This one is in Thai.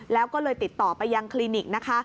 แล้วก็เลยติดต่อไปยังคลินิกนะคะ